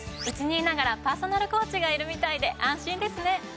うちにいながらパーソナルコーチがいるみたいで安心ですね。